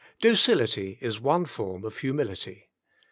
Docility is one form of humility.